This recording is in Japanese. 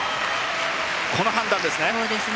この判断ですね。